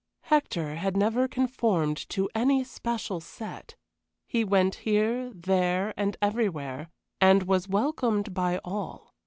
Hector had never conformed to any special set; he went here, there, and everywhere, and was welcomed by all.